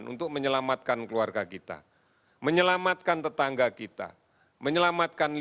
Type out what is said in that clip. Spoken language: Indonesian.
untuk bertahan ke belakang political